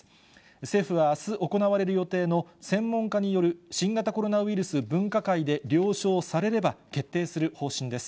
政府はあす行われる予定の専門家による新型コロナウイルス分科会で了承されれば、決定する方針です。